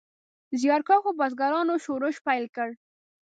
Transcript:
زیارکښو بزګرانو شورش پیل کړ.